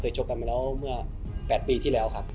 เคยชบกันมาแล้ว๘ปีแรกครับ